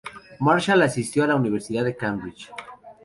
Marshall asistió a la Universidad de Cambridge.